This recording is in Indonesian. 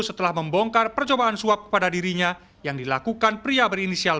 setelah membongkar percobaan suap kepada dirinya yang dilakukan pria berinisial